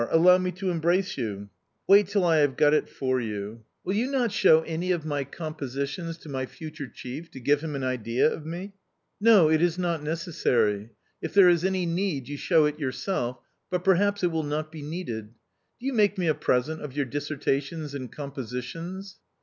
— allow me to embrace you." " Wait till I have got it for you." 58 A COMMON STORY 44 Will you not show any of my compositions to my future chief to give him an idea of me?" " No, it is not necessary : if there is any need, you show it yourself, but perhaps it will not be needed. Do you make I me a present of your dissertations and compositions